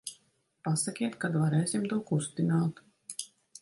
Pasakiet, kad varēsim to kustināt.